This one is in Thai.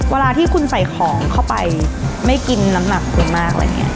เวลาที่คุณใส่ของเข้าไปไม่กินน้ำหนักคุณมากอะไรอย่างนี้